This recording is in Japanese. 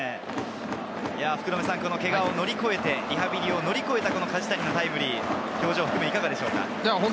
けがを乗り越えてリハビリを乗り越えた梶谷のタイムリー、表情を含めていかがでしょうか？